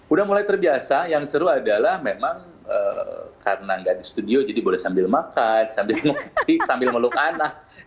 udah mulai terbiasa yang seru adalah memang karena nggak di studio jadi boleh sambil makan sambil meluk anak